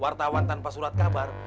wartawan tanpa surat kabar